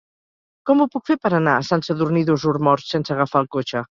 Com ho puc fer per anar a Sant Sadurní d'Osormort sense agafar el cotxe?